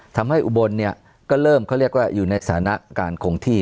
ทำให้อุบลเนี่ยก็เริ่มเค้าเรียกว่าอยู่ในศาลาการขงที่